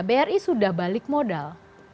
bri sudah balik modal